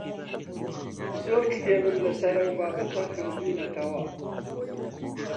زۆر کتێبم لەسەر ئەو بابەتە خوێندوونەتەوە.